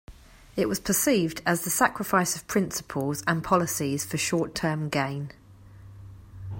It was perceived as the sacrifice of principles and policies for short term gain.